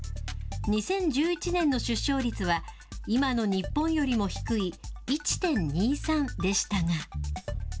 ２０１１年の出生率は、今の日本よりも低い１．２３でしたが。